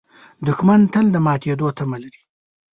دښمن تل د ماتېدو تمه لري